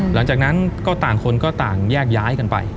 หลังจากนั้นก็ต่างคนก็ต่างแยกย้ายกันไป